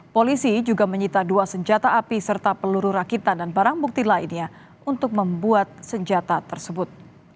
polisi juga menyita dua senjata api serta peluru rakitan dan barang bukti lainnya untuk membuat senjata tersebut